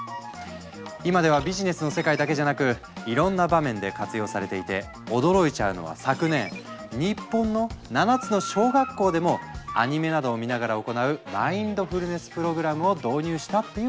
今ではビジネスの世界だけじゃなくいろんな場面で活用されていて驚いちゃうのは昨年日本の７つの小学校でもアニメなどを見ながら行うマインドフルネス・プログラムを導入したっていう話。